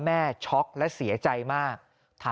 แม่พึ่งจะเอาดอกมะลิมากราบเท้า